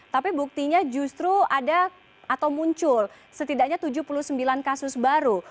tapi buktinya justru ada atau muncul setidaknya tujuh puluh sembilan kasus baru